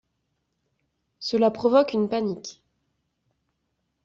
Cela provoque une panique.